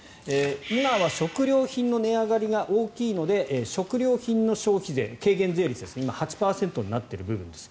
今は食料品の値上がりが大きいので食料品の消費税軽減税率ですね今、８％になっている部分です。